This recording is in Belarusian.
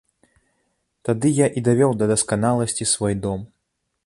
Тады я і давёў да дасканаласці свой дом.